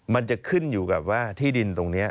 มันจะขึ้นอยู่กับว่าที่ดินตรงนี้